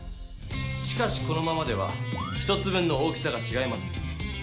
しかしこのままでは１つ分の大きさがちがいます。